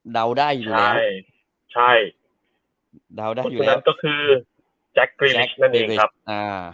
เดาได้อยู่แล้วใช่เดาได้อยู่แล้วคุณนั้นก็คือนั่นเองครับอ่า